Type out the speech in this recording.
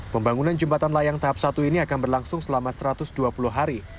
pembangunan jembatan layang tahap satu ini akan berlangsung selama satu ratus dua puluh hari